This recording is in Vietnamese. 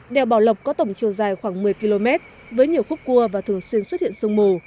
đèo bảo lộc có tổng chiều dài khoảng một mươi km với nhiều khúc cua và thường xuyên xuất hiện sương mù